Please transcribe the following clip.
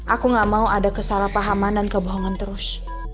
aku gak mau ada kesalahpahaman dan kebohongan terus